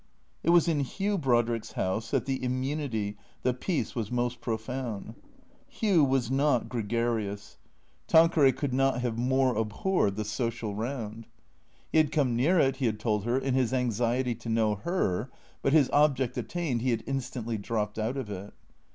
It was in Hugh Brodrick's house, that the immunity, the peace was most profound. Hugh was not gregarious. Tanqueray 246 THECEEATORS could not have more abhorred the social round. He had come near it, he had told her, in his anxiety to know her, but his object attained, he had instantly dropped out of it.